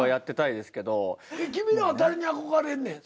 君らは誰に憧れんねん？